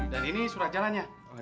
dan ini surat jalannya